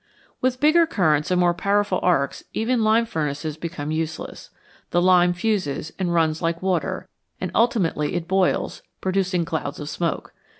With bigger currents and more powerful arcs even lime furnaces become useless ; the lime fuses and runs like water, and ultimately it boils, producing clouds of smoke.